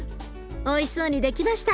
おいしそうに出来ました。